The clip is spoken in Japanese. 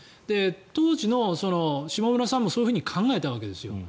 当時の下村さんもそういうふうに考えたわけですよ